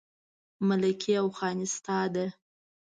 ملکي او خاني ستا ده